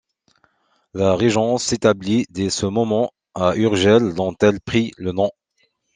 La régence s'établit dès ce moment à Urgell dont elle prit le nom.